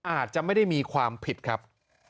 อาจจะไม่ได้มีความผิดครับ